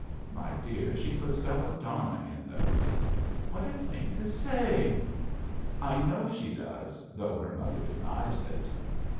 "My dear, she puts belladonna in them." " What a thing to say !"" I know she does,'*though her mother denies it."